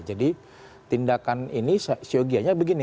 jadi tindakan ini siogianya begini